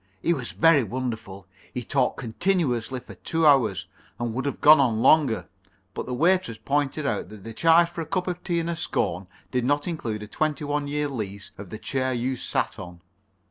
He was very wonderful. He talked continuously for two hours, and would have gone on longer. But the waitress pointed out that the charge for a cup of tea and a scone did not include a twenty one years' lease of the chair you sat on.